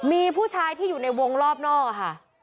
มีผู้ชายที่อยู่ในวงรอบนอกค่ะ